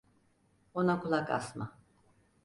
Ona kulak asma.